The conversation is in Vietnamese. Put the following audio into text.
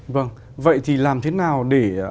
vâng vậy thì làm thế nào để